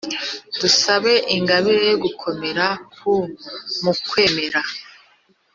dusabe ingabire yo gukomera ku mu kwemera